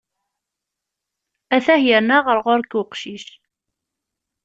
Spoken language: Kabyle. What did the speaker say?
Atah yerna ɣer ɣur-k uqcic.